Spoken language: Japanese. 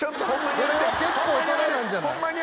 これは結構大人なんじゃない？